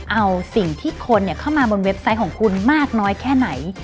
เอาสิ่งที่คนเข้ามาบนเว็บไซต์ของคุณมากน้อยแค่ไหน